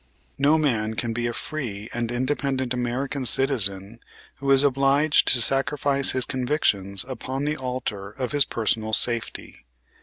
No man can be a free and independent American citizen who is obliged to sacrifice his convictions upon the altar of his personal safety.